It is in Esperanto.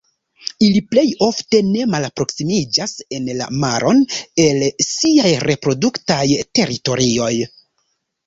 Ili plej ofte ne malproksimiĝas en la maron el siaj reproduktaj teritorioj.